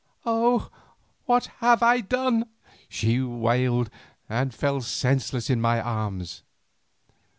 "Oh! what have I done?" she wailed, and fell senseless in my arms.